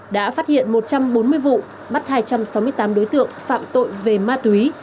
đã phát hiện một trăm bốn mươi vụ bắt hai trăm sáu mươi tám đối tượng phạm tội về ma túy